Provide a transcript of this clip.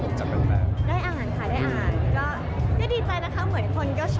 ได้อ่านค่ะได้อ่าน